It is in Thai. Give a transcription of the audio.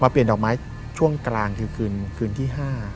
เปลี่ยนดอกไม้ช่วงกลางคือคืนที่๕